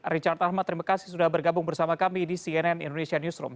richard ahmad terima kasih sudah bergabung bersama kami di cnn indonesia newsroom